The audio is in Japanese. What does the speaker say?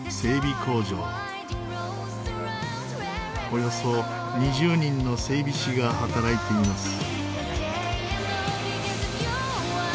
およそ２０人の整備士が働いています。